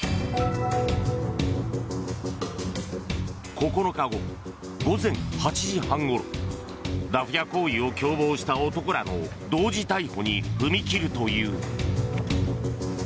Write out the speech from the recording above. ９日後、午前８時半ごろダフ屋行為を共謀した男らの同時逮捕に踏み切るという。